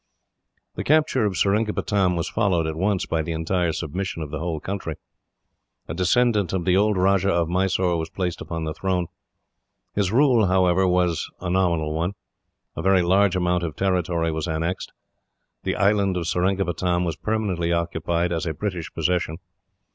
The capture of Seringapatam was followed, at once, by the entire submission of the whole country. A descendant of the old Rajah of Mysore was placed upon the throne. His rule was, however, but a nominal one. A very large amount of territory was annexed. The island of Seringapatam was permanently occupied as a British possession.